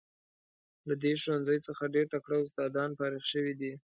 له دې ښوونځي څخه ډیر تکړه استادان فارغ شوي دي.